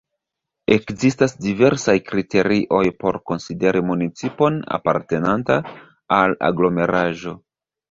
Ekzistas diversaj kriterioj por konsideri municipon apartenanta al aglomeraĵo.